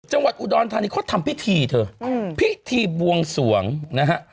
จังหวัดอุดรธานีเขาทำพิธีเถอะพิธีบวงสวงนะฮะ